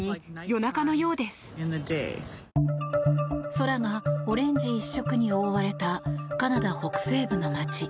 空がオレンジ一色に覆われたカナダ北西部の街。